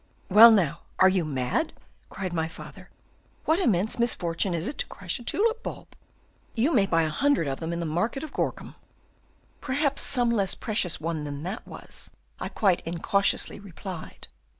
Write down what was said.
"'Well, now, are you mad?' cried my father; 'what immense misfortune is it to crush a tulip bulb? You may buy a hundred of them in the market of Gorcum.' "'Perhaps some less precious one than that was!' I quite incautiously replied."